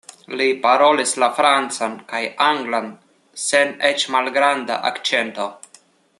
Li parolis la francan kaj anglan sen eĉ malgranda akĉento.